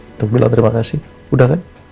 untuk bilang terima kasih sudah kan